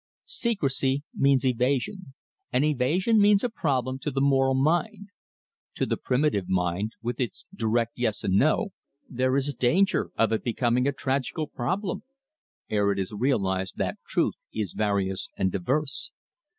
Secrecy means evasion, and evasion means a problem to the moral mind. To the primitive mind, with its direct yes and no, there is danger of it becoming a tragical problem ere it is realised that truth is various and diverse.